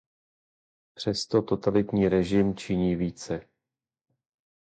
Přesto totalitní režim činí více.